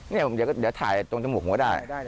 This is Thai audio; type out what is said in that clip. นี่เดี๋ยวก็ยังถ่ายจมูกกว่าได้